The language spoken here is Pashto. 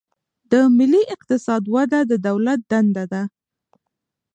د ملي اقتصاد وده د دولت دنده ده.